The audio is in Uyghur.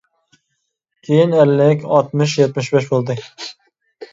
كېيىن ئەللىك، ئاتمىش، يەتمىش بەش بولدى.